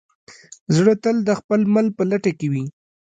زړه تل د خپل مل په لټه کې وي.